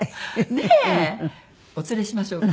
ねえ！お連れしましょうか？